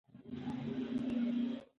آیا ستاسو عادتونه ستاسو په ګټه دي.